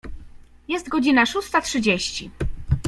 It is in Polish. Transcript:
Jest godzina szósta trzydzieści.